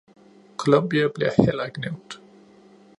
Colombia bliver heller ikke nævnt.